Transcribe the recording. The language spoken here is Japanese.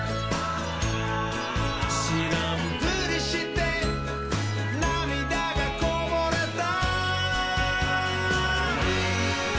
「しらんぷりしてなみだがこぼれた」